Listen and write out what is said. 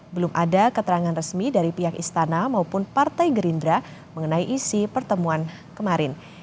belum ada keterangan resmi dari pihak istana maupun partai gerindra mengenai isi pertemuan kemarin